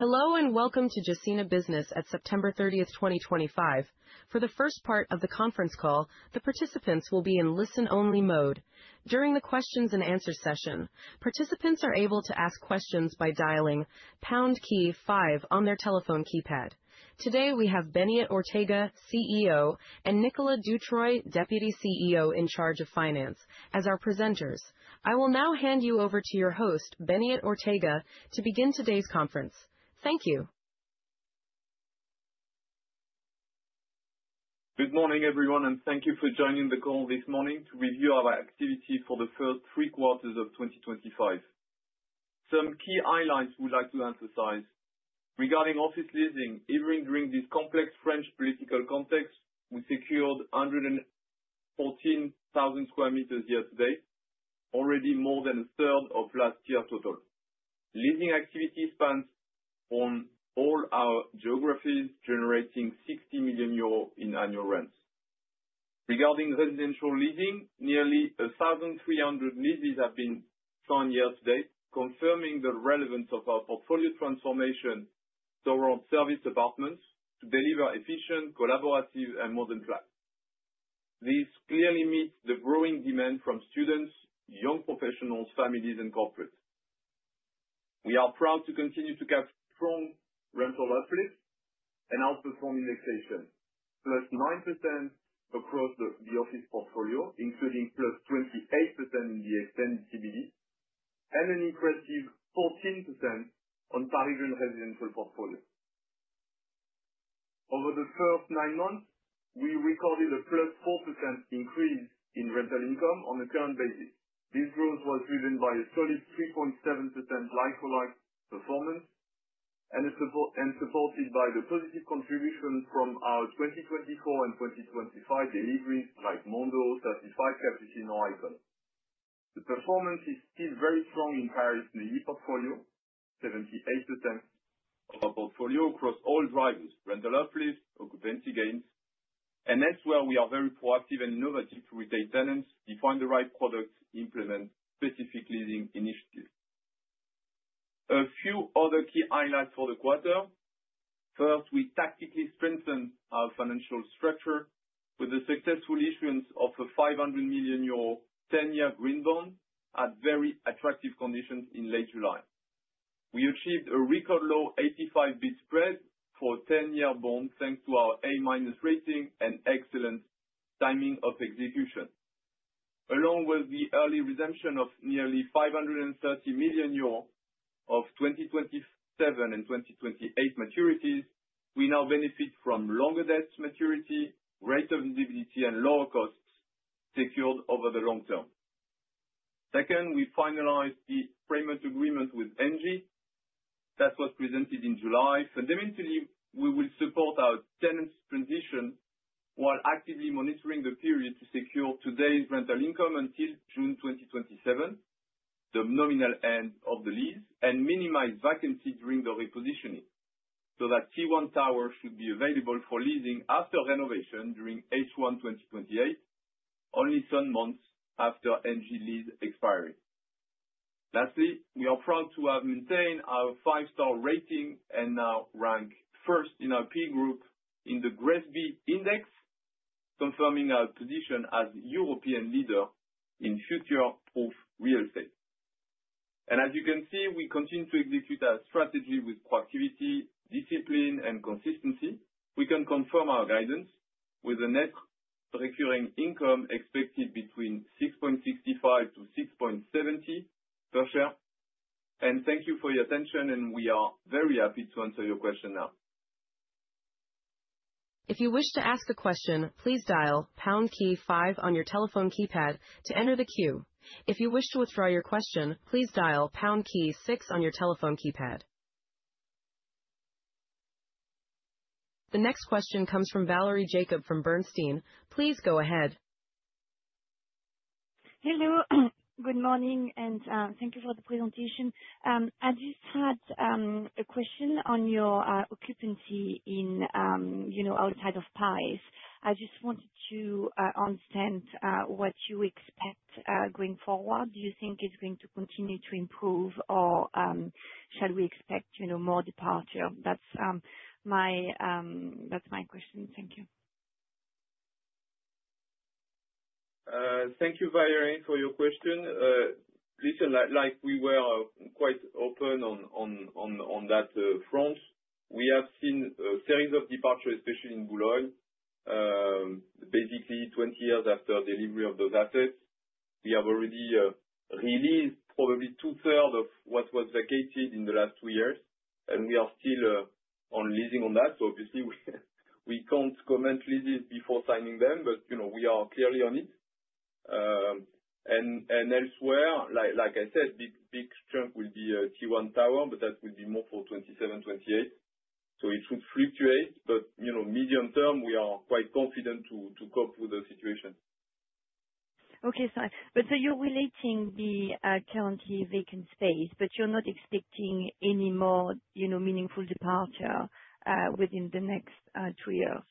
Hello and welcome to Gecina Business at September 30, 2025. For the first part of the conference call, the participants will be in listen-only mode. During the Q&A session, participants are able to ask questions by dialing #5 on their telephone keypad. Today we have Beñat Ortega, CEO, and Nicolas Dutreuil, Deputy CEO in charge of finance, as our presenters. I will now hand you over to your host, Beñat Ortega, to begin today's conference. Thank you. Good morning, everyone, and thank you for joining the call this morning to review our activity for the first three quarters of 2025. Some key highlights we'd like to emphasize. Regarding office leasing, even during this complex French political context, we secured 114,000 sq m yesterday, already more than a third of last year's total. Leasing activity spans on all our geographies, generating 60 million euros in annual rents. Regarding residential leasing, nearly 1,300 leases have been signed yesterday, confirming the relevance of our portfolio transformation toward serviced apartments to deliver efficient, collaborative, and modern clients. This clearly meets the growing demand from students, young professionals, families, and corporates. We are proud to continue to capture strong rental outflows and outperform indexation, plus 9% across the office portfolio, including plus 28% in the extended CBD, and an impressive 14% on Parisian residential portfolios. Over the first nine months, we recorded a plus 4% increase in rental income on a current basis. This growth was driven by a solid 3.7% like-for-like performance and supported by the positive contributions from our 2024 and 2025 deliveries like Mondo, 35 Capucines, and Icône. The performance is still very strong in Parisian portfolio, 78% of our portfolio across all drivers: rental outflows, occupancy gains, and elsewhere. We are very proactive and innovative to retain tenants, define the right products, and implement specific leasing initiatives. A few other key highlights for the quarter. First, we tactically strengthened our financial structure with the successful issuance of a 500 million euro 10-year green bond at very attractive conditions in late July. We achieved a record low 85 basis points for a 10-year bond thanks to our -A rating and excellent timing of execution. Along with the early redemption of nearly 530 million euros of 2027 and 2028 maturities, we now benefit from longer debt maturity, greater visibility, and lower costs secured over the long term. Second, we finalized the framework agreement with ENGIE that was presented in July. Fundamentally, we will support our tenants' transition while actively monitoring the period to secure today's rental income until June 2027, the nominal end of the lease, and minimize vacancy during the repositioning so that T1 Tower should be available for leasing after renovation during H1 2028, only some months after ENGIE lease expiry. Lastly, we are proud to have maintained our five-star rating and now rank first in our P group in the GRESB index, confirming our position as a European leader in future-proof real estate. And as you can see, we continue to execute our strategy with proactivity, discipline, and consistency. We can confirm our guidance with a net recurring income expected between 6.65-6.70 per share. And thank you for your attention, and we are very happy to answer your question now. If you wish to ask a question, please dial #5 on your telephone keypad to enter the queue. If you wish to withdraw your question, please dial #6 on your telephone keypad. The next question comes from Valérie Jacob from Bernstein. Please go ahead. Hello, good morning, and thank you for the presentation. I just had a question on your occupancy outside of Paris. I just wanted to understand what you expect going forward. Do you think it's going to continue to improve, or shall we expect more departures? That's my question. Thank you. Thank you, Valérie, for your question. Like we were quite open on that front, we have seen a series of departures, especially in Boulogne, basically 20 years after delivery of those assets. We have already released probably two-thirds of what was vacated in the last two years, and we are still on leasing on that. So obviously, we can't comment on leases before signing them, but we are clearly on it. And elsewhere, like I said, a big chunk will be T1 Tower, but that will be more for 2027-2028. So it should fluctuate, but medium term, we are quite confident to cope with the situation. Okay, but so you're relating the currently vacant space, but you're not expecting any more meaningful departures within the next two years?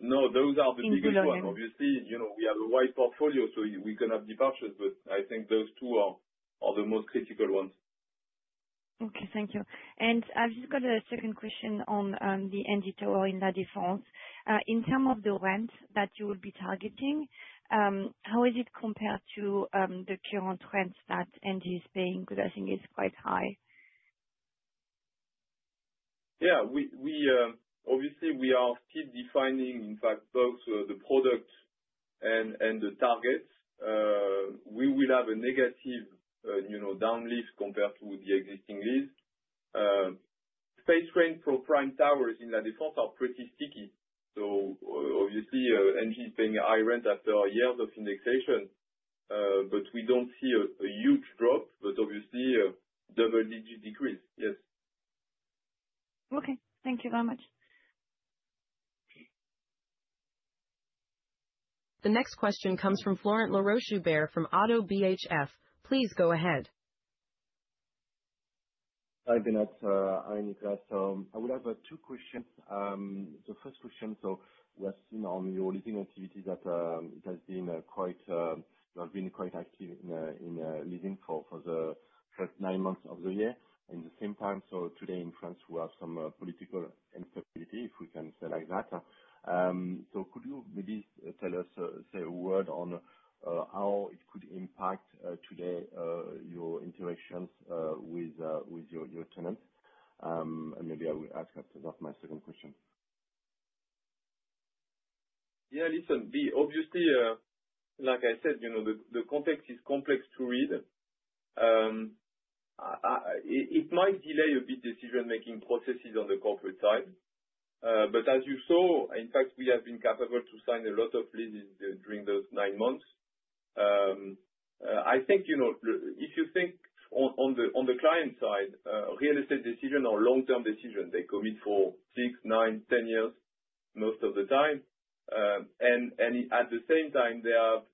No, those are the biggest ones. Obviously, we have a wide portfolio, so we can have departures, but I think those two are the most critical ones. Okay, thank you. And I've just got a second question on the Engie Tower in La Défense. In terms of the rent that you will be targeting, how is it compared to the current rent that Engie is paying? Because I think it's quite high. Yeah, obviously, we are still defining, in fact, both the product and the target. We will have a negative downlift compared to the existing lease. Space rent for prime towers in La Défense is pretty sticky. So obviously, Engie is paying a high rent after years of indexation, but we don't see a huge drop, but obviously a double-digit decrease. Yes. Okay, thank you very much. The next question comes from Florent Laroche-Joubert from ODDO BHF. Please go ahead. Hi, Beñat. I need to ask some. I would have two questions. The first question, so we have seen on your leasing activity that it has been quite, you have been quite active in leasing for the first nine months of the year. At the same time, so today in France, we have some political instability, if we can say like that. So could you maybe tell us a word on how it could impact today your interactions with your tenants, and maybe I will ask after that my second question. Yeah, listen, obviously, like I said, the context is complex to read. It might delay a bit decision-making processes on the corporate side, but as you saw, in fact, we have been capable to sign a lot of leases during those nine months. I think if you think on the client side, real estate decisions are long-term decisions. They commit for six, nine, 10 years most of the time, and at the same time, they have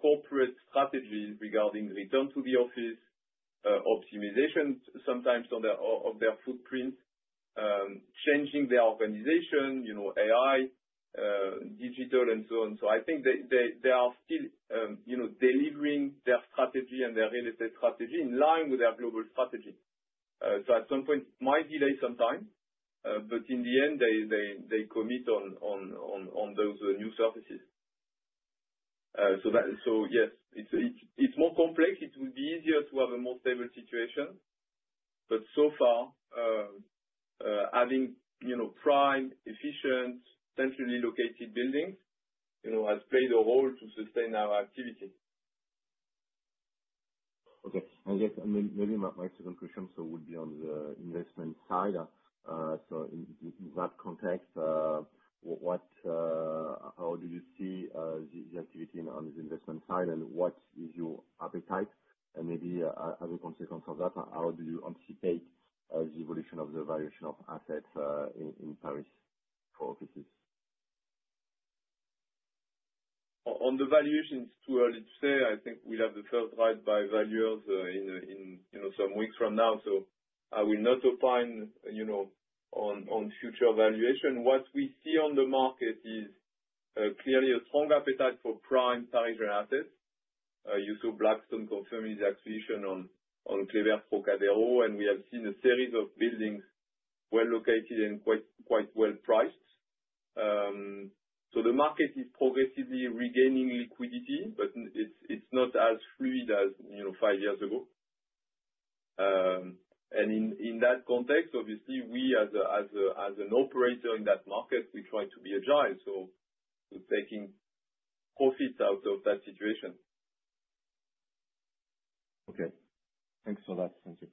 corporate strategies regarding return to the office, optimization sometimes of their footprint, changing their organization, AI, digital, and so on, so I think they are still delivering their strategy and their real estate strategy in line with their global strategy, so at some point, it might delay sometimes, but in the end, they commit on those new services, so yes, it's more complex, it would be easier to have a more stable situation. But so far, having prime, efficient, centrally located buildings has played a role to sustain our activity. Okay. And maybe my second question would be on the investment side. So in that context, how do you see the activity on the investment side and what is your appetite? And maybe as a consequence of that, how do you anticipate the evolution of the valuation of assets in Paris for offices? On the valuation, it's too early to say. I think we have the first ride by valuers in some weeks from now, so I will not opine on future valuation. What we see on the market is clearly a strong appetite for prime Parisian assets. You saw Blackstone confirming the acquisition on Kléber, and we have seen a series of buildings well located and quite well priced, so the market is progressively regaining liquidity, but it's not as fluid as five years ago, and in that context, obviously, we as an operator in that market, we try to be agile, so we're taking profits out of that situation. Okay. Thanks for that. Thank you.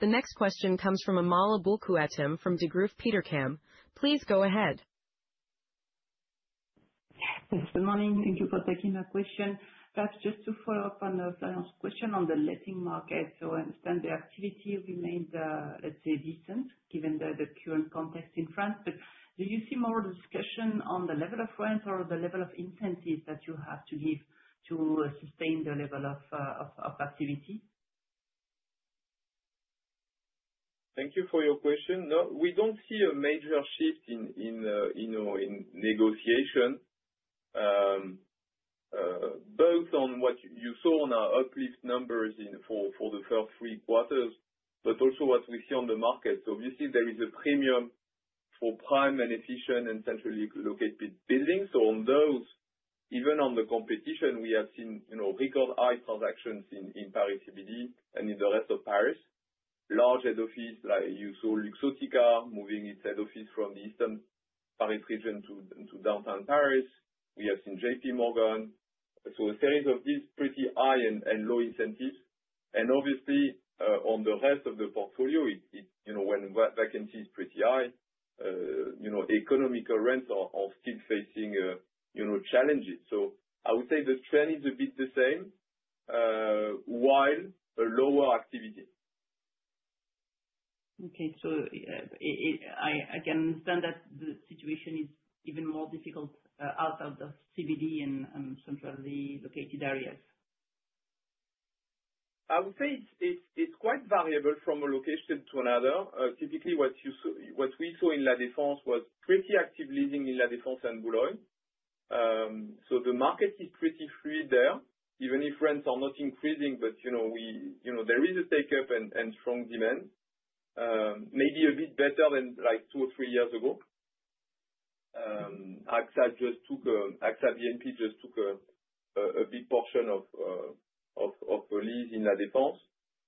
The next question comes from Amal Aboulkhouatem from Degroof Petercam. Please go ahead. Good morning. Thank you for taking my question. Perhaps just to follow up on the last question on the letting market. So I understand the activity remains, let's say, decent given the current context in France. But do you see more discussion on the level of rent or the level of incentives that you have to give to sustain the level of activity? Thank you for your question. No, we don't see a major shift in negotiation, both on what you saw on our uplift numbers for the first three quarters, but also what we see on the market. Obviously, there is a premium for prime and efficient and centrally located buildings. On those, even on the competition, we have seen record high transactions in Paris CBD and in the rest of Paris. Large head office, like you saw Luxottica moving its head office from the eastern Paris region to downtown Paris. We have seen J.P. Morgan. A series of these pretty high and low incentives. Obviously, on the rest of the portfolio, when vacancy is pretty high, economical rents are still facing challenges. I would say the trend is a bit the same, while a lower activity. Okay, so I can understand that the situation is even more difficult outside of CBD and centrally located areas. I would say it's quite variable from a location to another. Typically, what we saw in La Défense was pretty active leasing in La Défense and Boulogne. So the market is pretty fluid there, even if rents are not increasing, but there is a take-up and strong demand, maybe a bit better than like two or three years ago. uncertain] just took a big portion of lease in La Défense.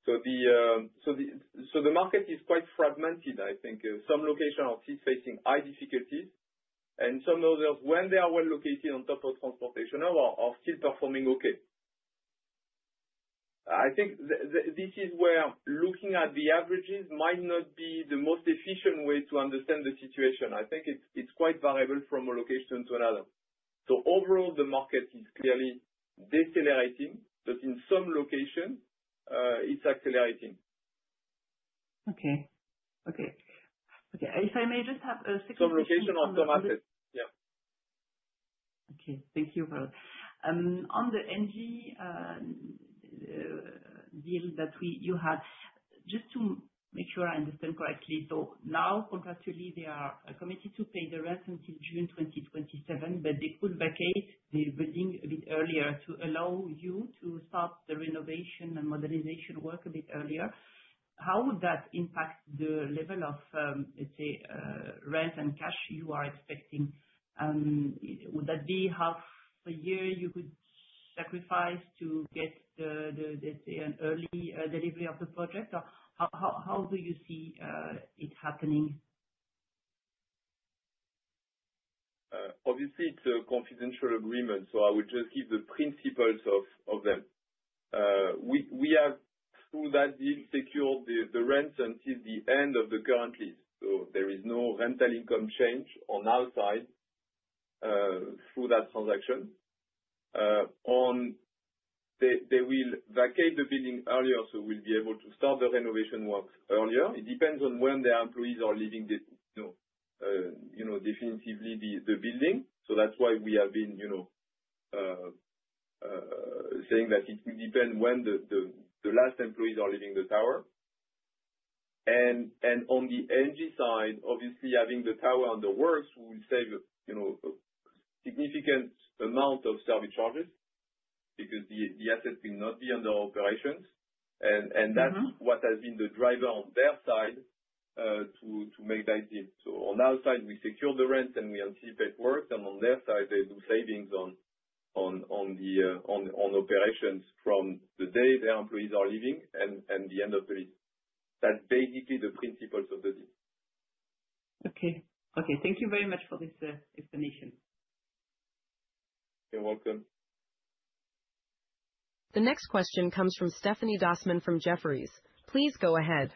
So the market is quite fragmented, I think. Some locations are still facing high difficulties, and some others, when they are well located on top of transportation, are still performing okay. I think this is where looking at the averages might not be the most efficient way to understand the situation. I think it's quite variable from a location to another. So overall, the market is clearly decelerating, but in some locations, it's accelerating. Okay. Okay. Okay. If I may just have a second question. Some locations or some assets. Yeah. Okay. Thank you for that. On the Engie deal that you had, just to make sure I understand correctly, so now, contractually, they are committed to pay the rent until June 2027, but they could vacate the building a bit earlier to allow you to start the renovation and modernization work a bit earlier. How would that impact the level of, let's say, rent and cash you are expecting? Would that be half a year you could sacrifice to get an early delivery of the project? Or how do you see it happening? Obviously, it's a confidential agreement, so I will just give the principles of them. We have, through that deal, secured the rent until the end of the current lease. So there is no rental income change on our side through that transaction. They will vacate the building earlier, so we'll be able to start the renovation work earlier. It depends on when their employees are leaving definitively the building. So that's why we have been saying that it will depend when the last employees are leaving the tower. And on the ENGIE side, obviously, having the tower under work will save a significant amount of service charges because the assets will not be under operations. And that's what has been the driver on their side to make that deal. So on our side, we secure the rent and we anticipate work. On their side, they do savings on operations from the day their employees are leaving and the end of the lease. That's basically the principles of the deal. Okay. Okay. Thank you very much for this explanation. You're welcome. The next question comes from Stéphanie Dossmann from Jefferies. Please go ahead.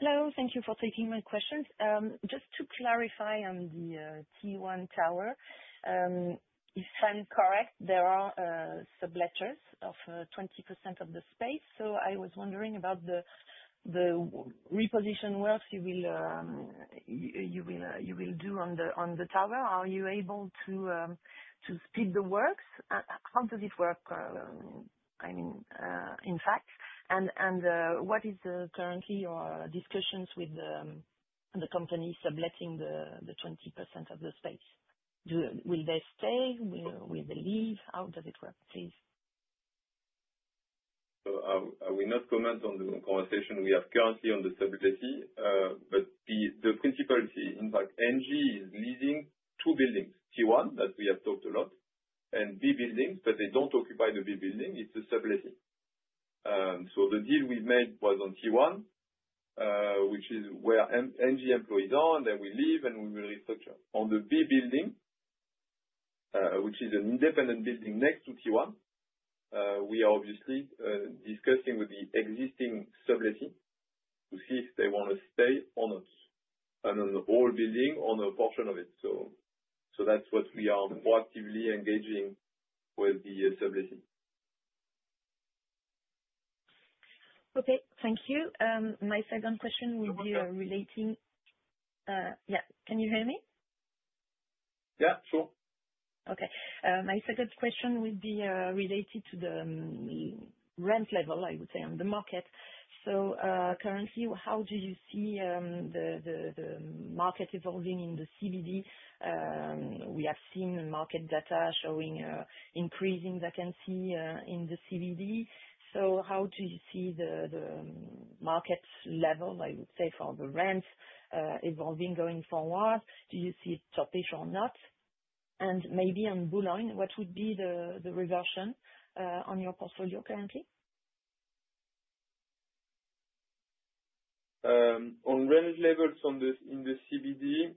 Hello. Thank you for taking my question. Just to clarify on the T1 Tower, if I'm correct, there are some leavers of 20% of the space. So I was wondering about the reposition work you will do on the tower. Are you able to speed the work? How does it work, I mean, in fact? And what is currently your discussions with the companies occupying the 20% of the space? Will they stay? Will they leave? How does it work, please? So I will not comment on the conversation we have currently on the subject, but the principle is, in fact, Engie is leasing two buildings, T1, that we have talked a lot, and Building B, but they don't occupy the Building B. It's a sub-leasing. So the deal we made was on T1, which is where Engie employees are, and they will leave, and we will restructure. On the Building B, which is an independent building next to T1, we are obviously discussing with the existing sub-leasing to see if they want to stay or not on an old building or a portion of it. So that's what we are more actively engaging with the sub-leasing. Okay. Thank you. My second question would be relating, yeah, can you hear me? Yeah, sure. Okay. My second question would be related to the rent level, I would say, on the market. So currently, how do you see the market evolving in the CBD? We have seen market data showing increasing vacancy in the CBD. So how do you see the market level, I would say, for the rent evolving going forward? Do you see it topical or not? And maybe on Boulogne, what would be the reversion on your portfolio currently? On rent levels in the CBD,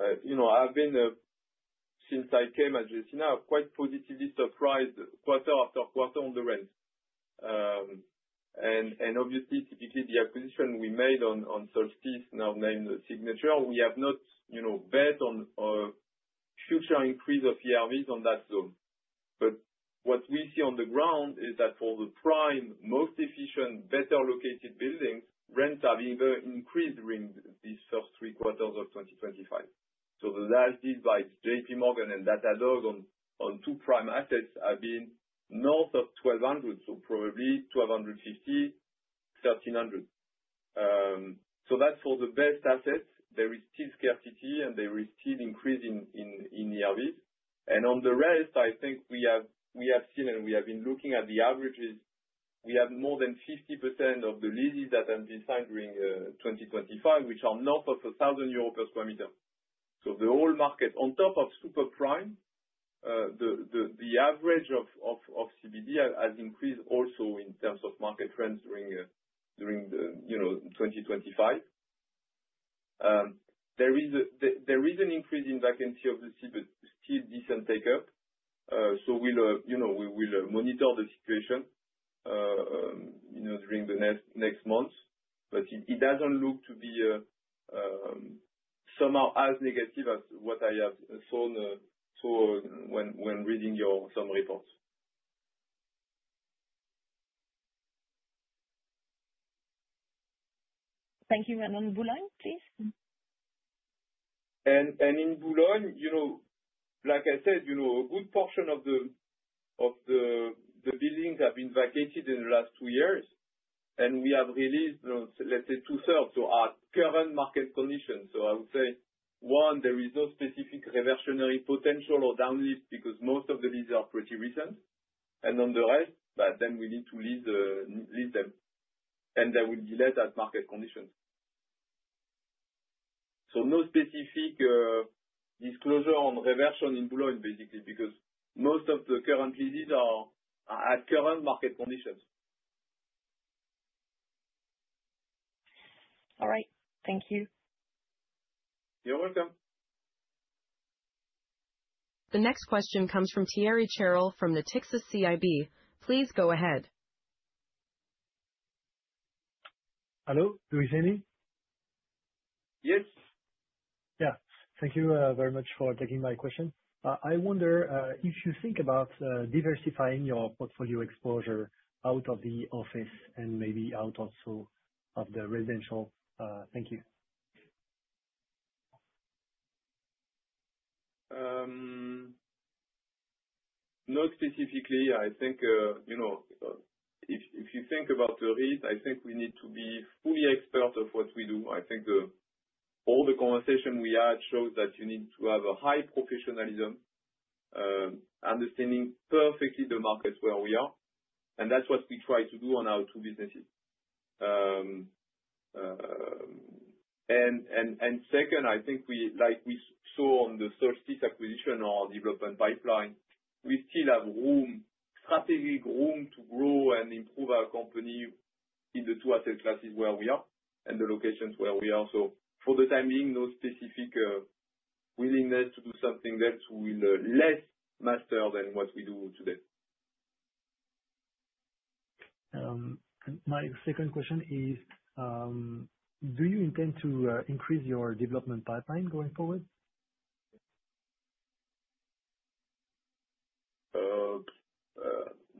I've been, since I came at Gecina, quite positively surprised quarter after quarter on the rent, and obviously, typically, the acquisition we made on Solstys, now named Signature, we have not bet on a future increase of ERVs on that zone, but what we see on the ground is that for the prime, most efficient, better located buildings, rents have either increased during these first three quarters of 2025, so the last deal by JP Morgan and Datadog on two prime assets has been north of 1,200, so probably 1,250, 1,300, so that's for the best assets. There is still scarcity, and there is still increase in ERVs. And on the rest, I think we have seen, and we have been looking at the averages. We have more than 50% of the leases that have been signed during 2025, which are north of 1,000 euros per sq m. So the whole market, on top of super prime, the average of CBD has increased also in terms of market trends during 2025. There is an increase in vacancy of the CBD, but still decent take-up. So we will monitor the situation during the next months. But it doesn't look to be somehow as negative as what I have seen when reading your summary report. Thank you. And on Boulogne, please? And in Boulogne, like I said, a good portion of the buildings have been vacated in the last two years. And we have re-leased, let's say, two-thirds at current market conditions. So I would say, one, there is no specific reversionary potential or downlift because most of the leases are pretty recent. And on the rest, then we need to lease them. And they will be let at market conditions. So no specific disclosure on reversion in Boulogne, basically, because most of the current leases are at current market conditions. All right. Thank you. You're welcome. The next question comes from Thierry Chérel from Natixis CIB. Please go ahead. Hello. Do you hear me? Yes. Yeah. Thank you very much for taking my question. I wonder if you think about diversifying your portfolio exposure out of the office and maybe out also of the residential? Thank you. Not specifically. I think if you think about the reason, I think we need to be fully expert of what we do. I think all the conversation we had shows that you need to have a high professionalism, understanding perfectly the market where we are. And that's what we try to do on our two businesses. And second, I think we saw on the Solstys acquisition or development pipeline, we still have room, strategic room to grow and improve our company in the two asset classes where we are and the locations where we are. So for the time being, no specific willingness to do something that will less master than what we do today. My second question is, do you intend to increase your development pipeline going forward?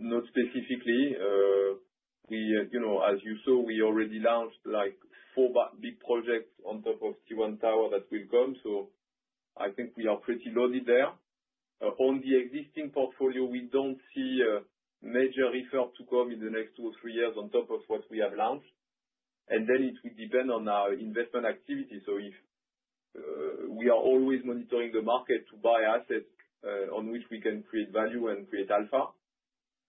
Not specifically. As you saw, we already launched four big projects on top of T1 Tower that will come, so I think we are pretty loaded there. On the existing portfolio, we don't see major effort to come in the next two or three years on top of what we have launched, and then it would depend on our investment activity, so we are always monitoring the market to buy assets on which we can create value and create alpha,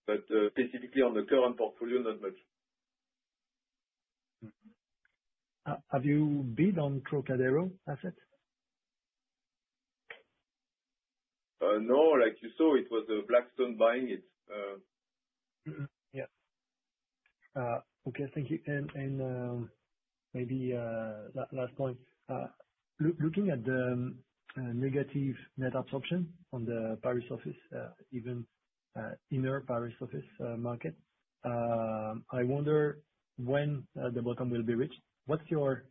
but specifically on the current portfolio, not much. Have you bid on Trocadéro assets? No. Like you saw, it was a Blackstone buying it. Yeah. Okay. Thank you. And maybe last point. Looking at the negative net absorption on the Paris office, even inner Paris office market, I wonder when the bottom will be reached. What's your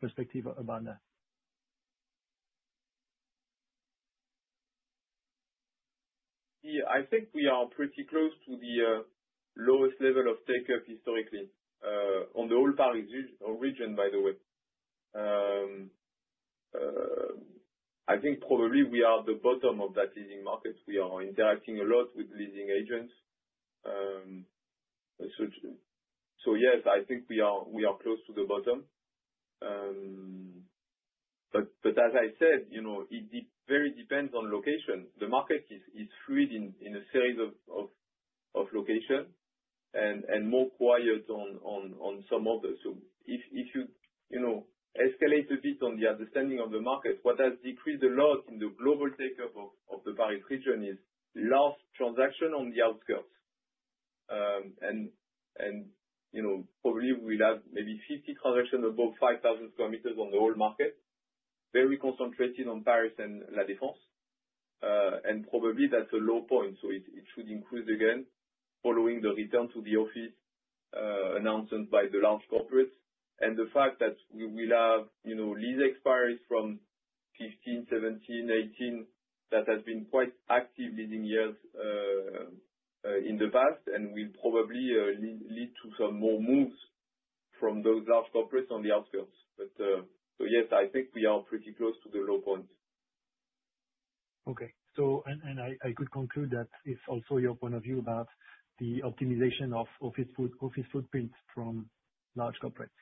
perspective about that? Yeah. I think we are pretty close to the lowest level of take-up historically on the whole Paris region, by the way. I think probably we are at the bottom of that leasing market. We are interacting a lot with leasing agents. So yes, I think we are close to the bottom. But as I said, it very depends on location. The market is fluid in a series of locations and more quiet on some of them. So if you elaborate a bit on the understanding of the market, what has decreased a lot in the global take-up of the Paris region is large transactions on the outskirts. And probably we'll have maybe 50 transactions above 5,000 sq m on the whole market, very concentrated on Paris and La Défense. And probably that's a low point. So it should increase again following the return to the office announcement by the large corporates. And the fact that we will have lease expires from 2015, 2017, 2018 that has been quite active leasing years in the past, and will probably lead to some more moves from those large corporates on the outskirts. But yes, I think we are pretty close to the low point. Okay, and I could conclude that it's also your point of view about the optimization of office footprints from large corporates.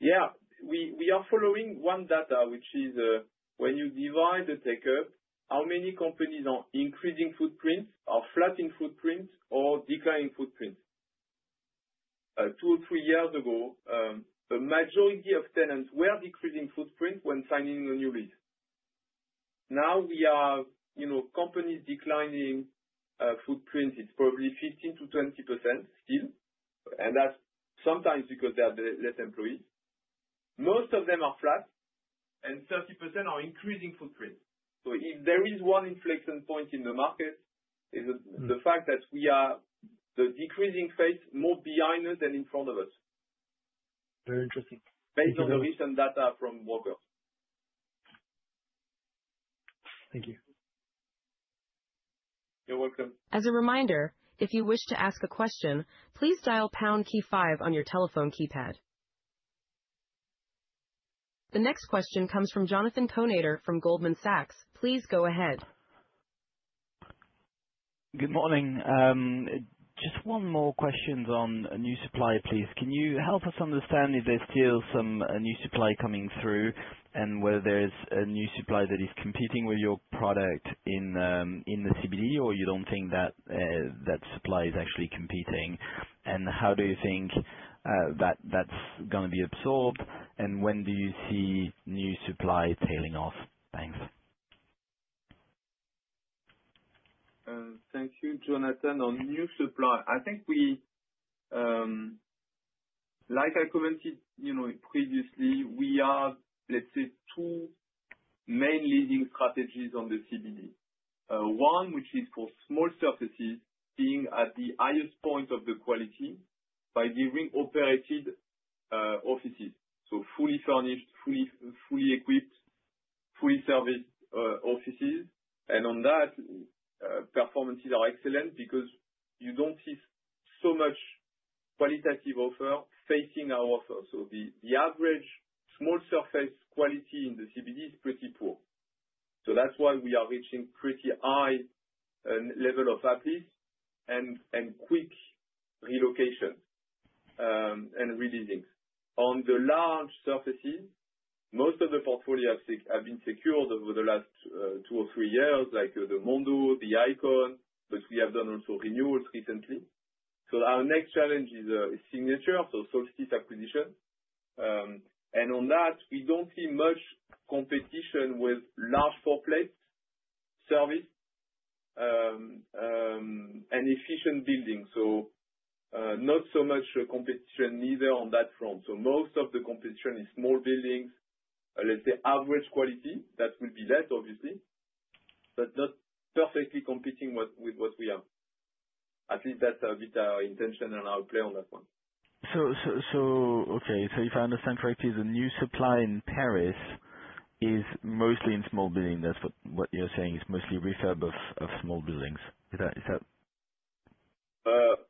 Yeah. We are following one data, which is when you divide the take-up, how many companies are increasing footprints, are flat in footprints, or declining footprints. Two or three years ago, a majority of tenants were decreasing footprints when signing a new lease. Now we have companies declining footprints. It's probably 15%-20% still, and that's sometimes because they have less employees. Most of them are flat, and 30% are increasing footprints, so if there is one inflection point in the market, it's the fact that we are the decreasing phase more behind us than in front of us. Very interesting. Based on the recent data from Walker. Thank you. You're welcome. As a reminder, if you wish to ask a question, please dial pound key five on your telephone keypad. The next question comes from Jonathan Kownator from Goldman Sachs. Please go ahead. Good morning. Just one more question on a new supplier, please. Can you help us understand if there's still some new supply coming through and whether there's a new supplier that is competing with your product in the CBD, or you don't think that that supply is actually competing? And how do you think that's going to be absorbed? And when do you see new supply tailing off? Thanks. Thank you, Jonathan. On new supply, I think we, like I commented previously, we have, let's say, two main leasing strategies on the CBD. One, which is for small surfaces being at the highest point of the quality by giving operated offices. So fully furnished, fully equipped, fully serviced offices. And on that, performances are excellent because you don't see so much qualitative offer facing our offer. So the average small surface quality in the CBD is pretty poor. So that's why we are reaching pretty high level of uplift and quick relocation and re-leasing. On the large surfaces, most of the portfolios have been secured over the last two or three years, like the Mondo, the Icône, but we have done also renewals recently. So our next challenge is Signature, so Solstys acquisition. And on that, we don't see much competition with large floorplates, serviced, and efficient buildings. So not so much competition neither on that front. So most of the competition is small buildings, let's say average quality. That will be left, obviously, but not perfectly competing with what we have. At least that's a bit our intention and our play on that one. So, okay. So if I understand correctly, the new supply in Paris is mostly in small buildings. That's what you're saying is mostly ERV of small buildings. Is that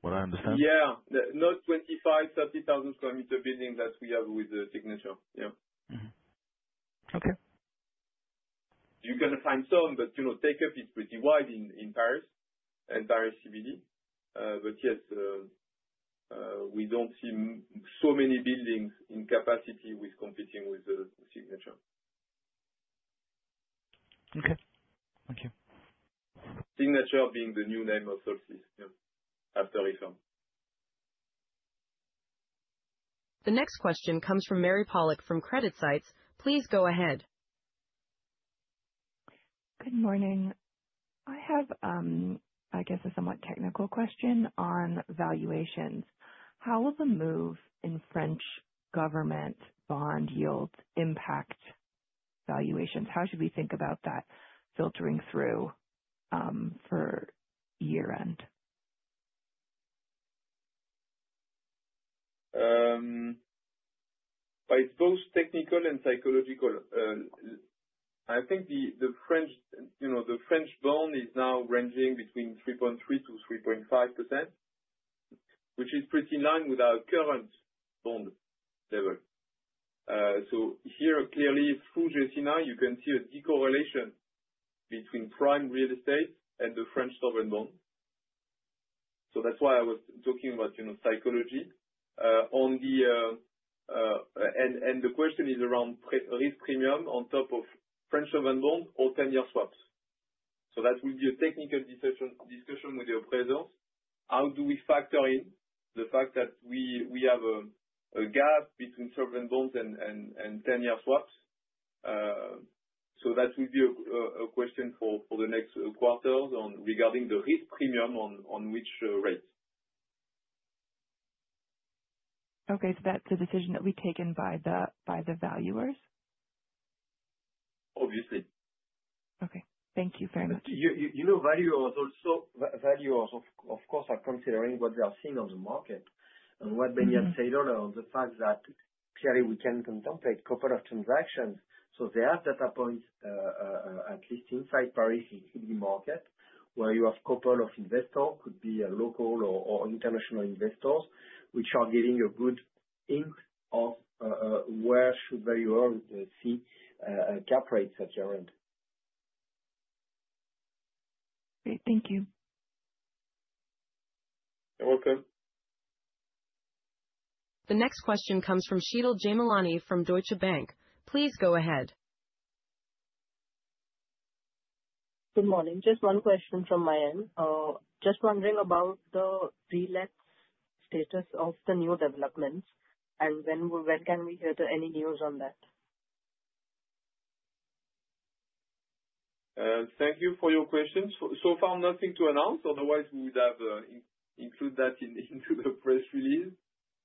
what I understand? Yeah. Not 25,000-30,000 sq m buildings that we have with Signature. Yeah. Okay. You can assign some, but take-up is pretty wide in Paris and Paris CBD. But yes, we don't see so many buildings in capacity competing with Signature. Okay. Thank you. Signature being the new name of Solstys after refurb. The next question comes from Mary Pollock from CreditSights. Please go ahead. Good morning. I have, I guess, a somewhat technical question on valuations. How will the move in French government bond yields impact valuations? How should we think about that filtering through for year-end? It's both technical and psychological. I think the French bond is now ranging between 3.3%-3.5%, which is pretty in line with our current bond level. So here, clearly, through Gecina, you can see a decorrelation between prime real estate and the French sovereign bond. So that's why I was talking about psychology. And the question is around risk premium on top of French sovereign bonds or 10-year swaps. So that will be a technical discussion with the operators. How do we factor in the fact that we have a gap between sovereign bonds and 10-year swaps? So that will be a question for the next quarters regarding the risk premium on which rate. Okay. So that's a decision that will be taken by the valuers? Obviously. Okay. Thank you very much. But valuers, of course, are considering what they are seeing on the market and what Benny and Taylor, the fact that clearly we can contemplate a couple of transactions. So they have data points, at least inside Paris CBD market, where you have a couple of investors, could be local or international investors, which are giving a good hint of where should valuers see cap rates at year-end. Great. Thank you. You're welcome. The next question comes from Sheila Jamelani from Deutsche Bank. Please go ahead. Good morning. Just one question from my end. Just wondering about the relapse status of the new developments, and when can we hear any news on that? Thank you for your questions. So far, nothing to announce. Otherwise, we would have included that into the press release.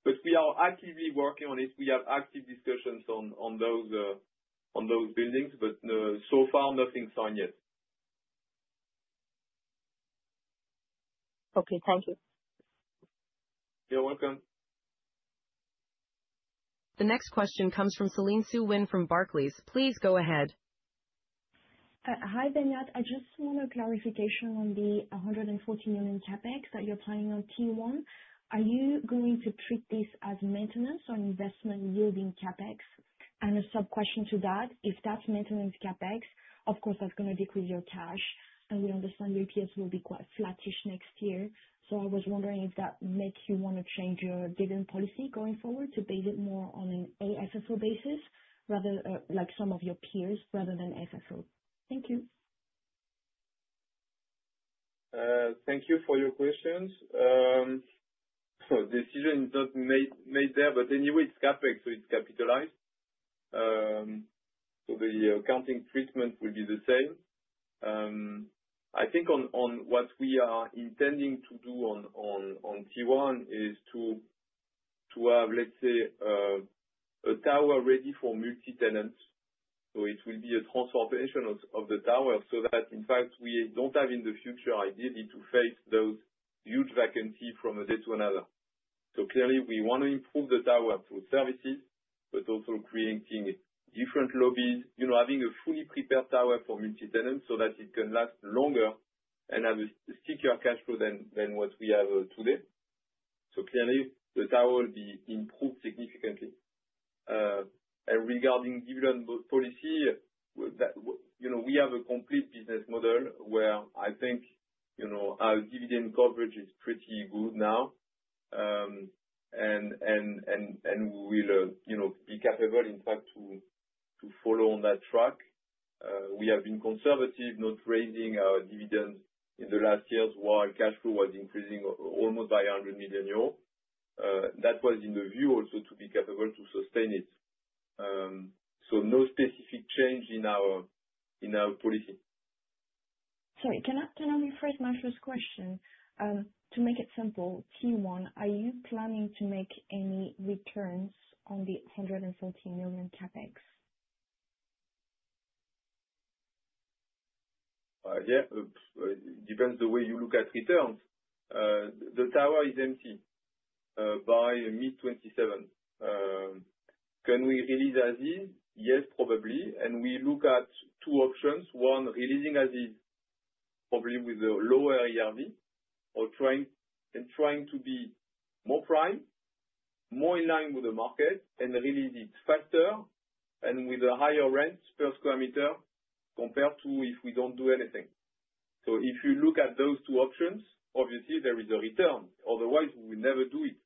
But we are actively working on it. We have active discussions on those buildings, but so far, nothing signed yet. Okay. Thank you. You're welcome. The next question comes from Céline Quirot from Barclays. Please go ahead. Hi, Beñat. I just want a clarification on the 140 million CapEx that you're planning on T1. Are you going to treat this as maintenance or investment yielding CapEx? And a sub-question to that, if that's maintenance CapEx, of course, that's going to decrease your cash. And we understand your EPS will be quite flattish next year. So I was wondering if that makes you want to change your dividend policy going forward to base it more on an AFFO basis rather than some of your peers rather than FFO. Thank you. Thank you for your questions. The decision is not made there, but anyway, it's CapEx, so it's capitalized, so the accounting treatment will be the same. I think on what we are intending to do on T1 is to have, let's say, a tower ready for multi-tenants, so it will be a transformation of the tower so that, in fact, we don't have in the future idea to face those huge vacancies from a day to another, so clearly, we want to improve the tower through services, but also creating different lobbies, having a fully prepared tower for multi-tenants so that it can last longer and have a stickier cash flow than what we have today, so clearly, the tower will be improved significantly, and regarding dividend policy, we have a complete business model where I think our dividend coverage is pretty good now. We will be capable, in fact, to follow on that track. We have been conservative, not raising our dividends in the last years while cash flow was increasing almost by 100 million euros. That was in the view also to be capable to sustain it. No specific change in our policy. Sorry, can I rephrase my first question? To make it simple, T1, are you planning to make any returns on the 140 million CapEx? Yeah. It depends the way you look at returns. The tower is empty by mid-2027. Can we re-lease as is? Yes, probably. And we look at two options. One, re-leasing as is, probably with a lower ERV, and trying to be more prime, more in line with the market, and re-lease it faster and with a higher rent per square meter compared to if we don't do anything. So if you look at those two options, obviously, there is a return. Otherwise, we will never do it.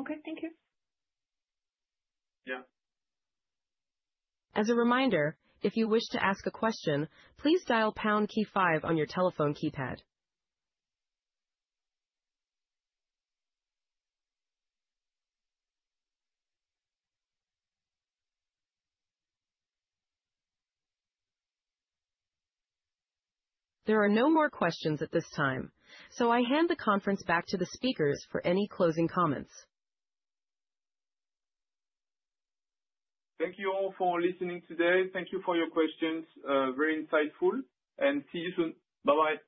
Okay. Thank you. Yeah. As a reminder, if you wish to ask a question, please dial pound key five on your telephone keypad. There are no more questions at this time. So I hand the conference back to the speakers for any closing comments. Thank you all for listening today. Thank you for your questions. Very insightful. And see you soon. Bye-bye.